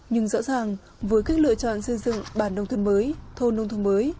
nhưng rõ ràng với cách lựa chọn xây dựng bản nông thôn mới thôn nông thôn mới